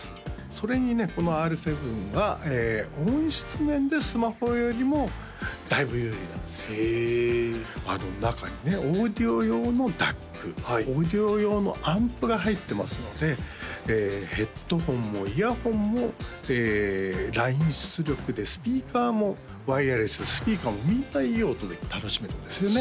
それにねこのＲ７は音質面でスマホよりもだいぶ有利なんですよへえ中にねオーディオ用のＤＡＣオーディオ用のアンプが入ってますのでヘッドホンもイヤホンもライン出力でスピーカーもワイヤレススピーカーもみんないい音で楽しめるんですよね